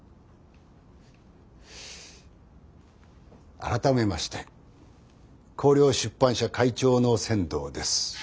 改めまして光陵出版社会長の千堂です。